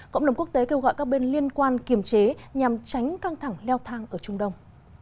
cộng đồng quốc tế kêu gọi các bên liên quan kiềm chế nhằm tránh căng thẳng leo thang ở trung đông